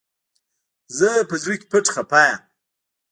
زه په زړه کي پټ خپه يم